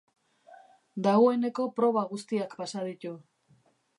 Dagoeneko proba guztiak pasa ditu.